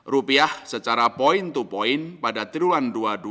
rupiah secara point to point pada triwulan dua dua ribu